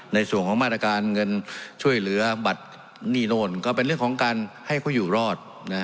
ในส่วนของมาตรการเงินช่วยเหลือบัตรหนี้โน่นก็เป็นเรื่องของการให้เขาอยู่รอด